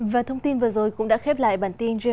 và thông tin vừa rồi cũng đã khép lại bản tin gmt bảy tối nay